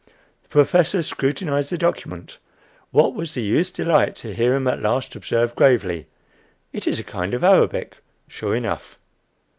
The professor scrutinized the document. What was the youth's delight to hear him at last observe gravely, "It is a kind of Arabic, sure enough!"